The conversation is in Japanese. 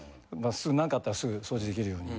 何かあったらすぐ掃除できるように。